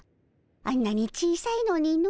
あんなに小さいのにの。